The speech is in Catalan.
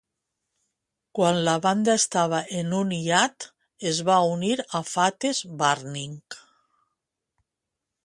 Quan la banda estava en un hiat, es va unir a Fates Warning.